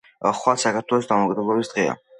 ხვალ საქარათველოს დამოუკიდებლობის დღეა